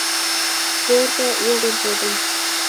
پـورتـه وغورځـېدم ،